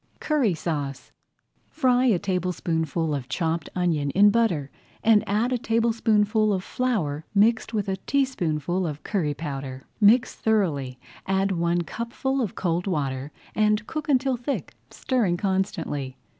CURRY SAUCE Fry a tablespoonful of chopped onion in butter and add a tablespoonful of flour mixed with a teaspoonful of curry powder. Mix thoroughly, add one cupful of cold water, and cook until thick, stirring constantly.